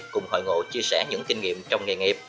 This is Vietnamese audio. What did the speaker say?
cùng hội ngộ chia sẻ những kinh nghiệm trong nghề nghiệp